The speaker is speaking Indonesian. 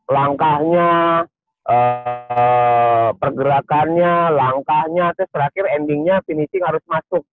langkahnya pergerakannya langkahnya terus terakhir endingnya finishing harus masuk